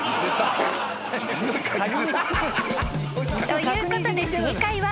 ［ということで正解は］